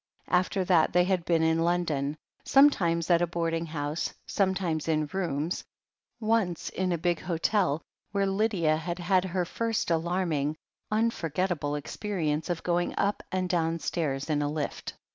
After that, they had been in London, sometimes at a boarding house, sometimes in rooms, once in a big hotel where Lydia had had her first alarming, unforgettable experi ence of going up and downstairs in a lift.